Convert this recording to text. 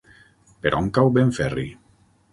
Per on cau Benferri?